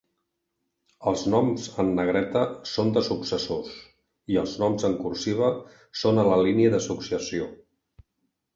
Els noms en negreta són de successors, i els noms en cursiva són a la línia de successió.